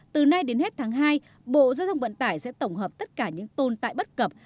từ nay đến hết tháng hai bộ giao thông vận tải sẽ tổng hợp tất cả những tồn tại bất cập